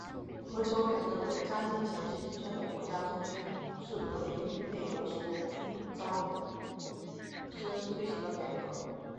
何乔远认为嘉靖前期出现的国家中兴是得益于内阁首辅张璁推行的改革。